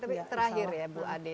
tapi terakhir ya bu ade